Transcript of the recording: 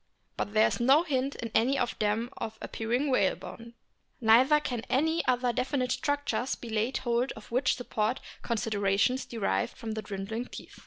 But there is no hint in any of them of appearing whalebone. Neither can any other definite structures be laid hold of which support considerations derived from the dwindling teeth.